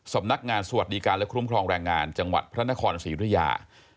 สำนักงานสวัสดิการและคุ้มครองแรงงานจังหวัดพระนครศรียุธยา